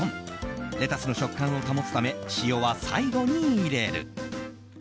４レタスの食感を保つため塩は最後に入れる。